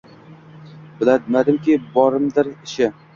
Bilmadimkim, bormidir ishi